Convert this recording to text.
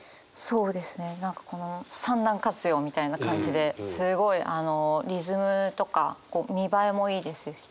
そうですね何かこの３段活用みたいな感じですごいリズムとか見栄えもいいですし。